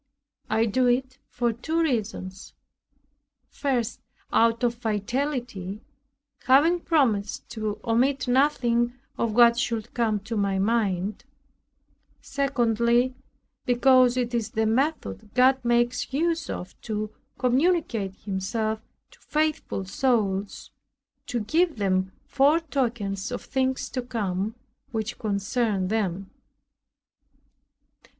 I do it for two reasons; first out of fidelity, having promised to omit nothing of what should come to my mind; secondly, because it is the method God makes use of to communicate Himself to faithful souls, to give them foretokens of things to come, which concern them.